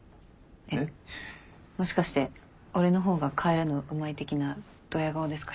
もしかして俺のほうが替えるのうまい的などや顔ですか？